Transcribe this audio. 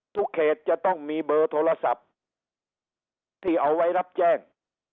เขตจะต้องมีเบอร์โทรศัพท์ที่เอาไว้รับแจ้ง